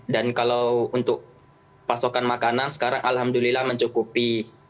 dan kalau untuk pasokan makanan sekarang alhamdulillah mencukupi